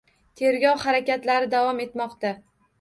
Tergov harakatlari davom etmoqda.